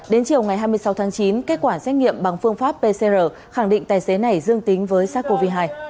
đến chiều ngày hai mươi sáu tháng chín kết quả xét nghiệm bằng phương pháp pcr khẳng định tài xế này dương tính với sars cov hai